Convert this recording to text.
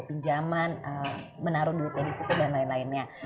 pinjaman menaruh duitnya di situ dan lain lainnya